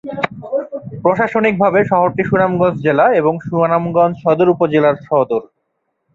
প্রশাসনিকভাবে শহরটি সুনামগঞ্জ জেলা এবং সুনামগঞ্জ সদর উপজেলার সদর।